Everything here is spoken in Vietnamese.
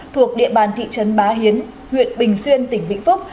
thuộc địa bàn thị trấn bá hiến huyện bình xuyên tỉnh vĩnh phúc